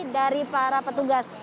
dari para petugas